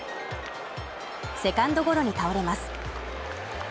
セカンドゴロに倒れます。